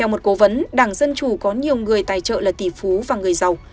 theo một cố vấn đảng dân chủ có nhiều người tài trợ là tỷ phú và người giàu